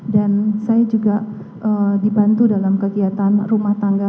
dan saya juga dibantu dalam kegiatan rumah tangga